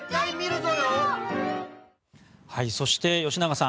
そして、吉永さん